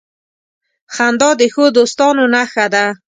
• خندا د ښو دوستانو نښه ده.